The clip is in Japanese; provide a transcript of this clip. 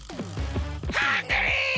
ハングリー！